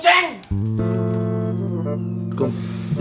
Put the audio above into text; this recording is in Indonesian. dia liat dia